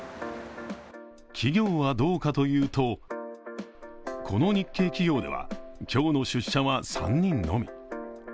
企業はどうかというと、この日系企業では今日の出社は３人のみ。